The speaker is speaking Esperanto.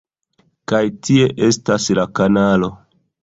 Kaj tie estas la kanalo...